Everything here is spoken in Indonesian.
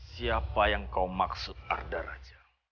siapa yang kau maksud ada raja